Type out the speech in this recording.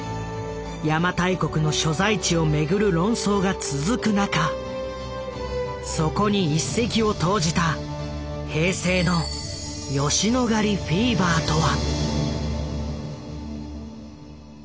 邪馬台国の所在地をめぐる論争が続く中そこに一石を投じた平成の「吉野ヶ里フィーバー」とは。